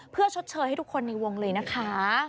เพื่อชดเชยให้ทุกคนในวงเลยนะคะ